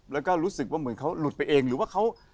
แล้วก็รู้สึกว่าเหมือนเขาหลุดไปเองหรือว่าเขา